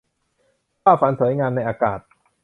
ภาพฝันสวยงามในอากาศ